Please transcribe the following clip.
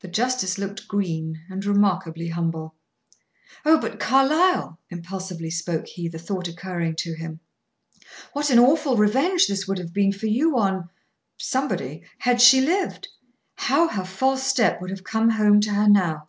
The justice looked green, and remarkably humble. "Oh, but Carlyle," impulsively spoke he, the thought occurring to him, "what an awful revenge this would have been for you on somebody had she lived. How her false step would have come home to her now!"